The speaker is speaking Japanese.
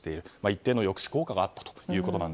一定の抑止効果があったと。